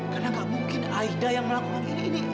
karena gak mungkin aida yang melakukan ini